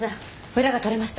裏が取れました。